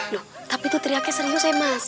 loh tapi tuh teriaknya serius ya mas